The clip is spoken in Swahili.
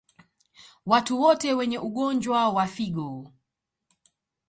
Watu wote wenye ugonjwa wa figo